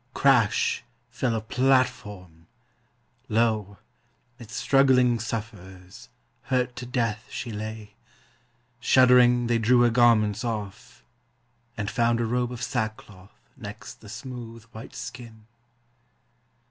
crash fell a platform! Lo, Mid struggling sufferers, hurt to death, she lay! Shuddering, they drew her garments off and found A robe of sackcloth next the smooth, white skin.